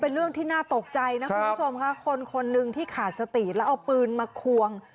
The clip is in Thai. เรื่องที่น่าตกใจนะคุณผู้ชมค่ะคนคนหนึ่งที่ขาดสติแล้วเอาปืนมาควง